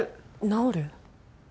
治る？